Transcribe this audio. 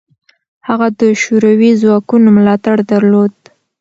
هغه د شوروي ځواکونو ملاتړ درلود.